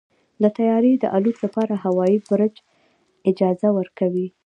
د طیارې د الوت لپاره هوايي برج اجازه ورکوي.